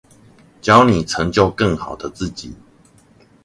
教你成就更好的自己